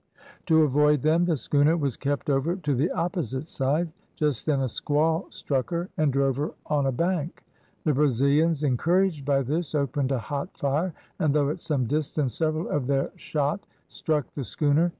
To avoid them the schooner was kept over to the opposite side. Just then a squall struck her and drove her on a bank. The Brazilians, encouraged by this, opened a hot fire, and though at some distance, several of their shot struck the schooner.